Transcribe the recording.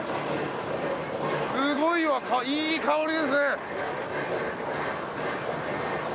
すごいわいい香りですね。